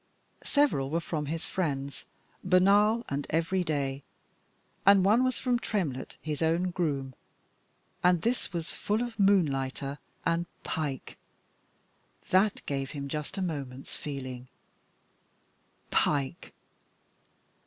Several were from his friends, banal and everyday. And one was from Tremlett, his own groom, and this was full of Moonlighter and Pike! That gave him just a moment's feeling Pike!